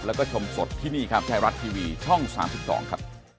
แล้วก็ชมสดที่นี่ครับไทยรัฐทีวีช่อง๓๒ครับ